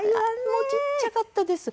もうちっちゃかったです。